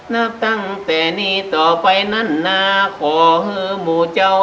นับตั้งแต่นี้ต่อไปนั้นนะขอหมู่เจ้า